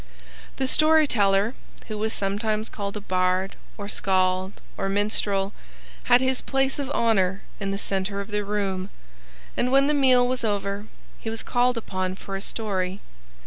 The story teller, who was sometimes called a bard or skald or minstrel, had his place of honor in the center of the room, and when the meal was over he was called upon for a story.